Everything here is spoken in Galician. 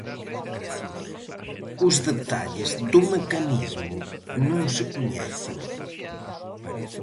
Os detalles do mecanismo non se coñecen.